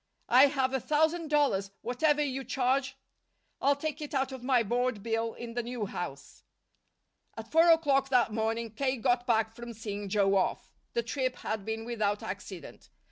"I have a thousand dollars. Whatever you charge " "I'll take it out of my board bill in the new house!" At four o'clock that morning K. got back from seeing Joe off. The trip had been without accident.